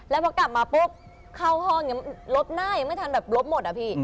แล้วพอกลับมาปุ๊บเข้าห้องอย่างนี้ลบหน้ายังไม่ทันแบบลบหมดอะพี่